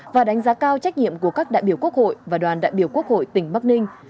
và đánh giá cao trách nhiệm của các đại biểu quốc hội và đoàn đại biểu quốc hội tỉnh bắc ninh